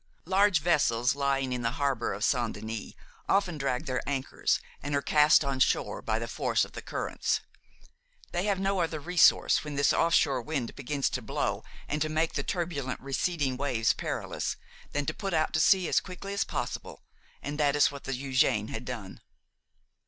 Large vessels lying in the harbor of Saint Denis often drag their anchors and are cast on shore by the force of the currents; they have no other resource when this off shore wind begins to blow, and to make the turbulent receding waves perilous, than to put to sea as quickly as possible, and that is what the Eugène had done.